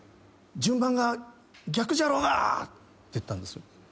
「順番が逆じゃろうが！」って言ったんですよ。